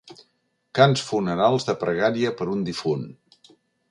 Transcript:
Cants funerals de pregària per un difunt.